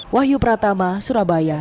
wahyu pratama surabaya